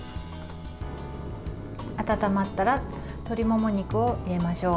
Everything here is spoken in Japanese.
温まったら鶏もも肉を入れましょう。